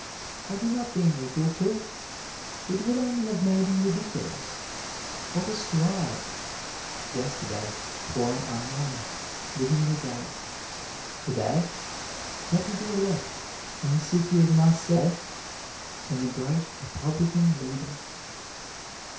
Had he not been equal to it, it would only have made him ridiculous. What a stride; yesterday, poor and unknown, living in a garret; today, deputy elect, in the city of Marseilles, and the great Republican leader!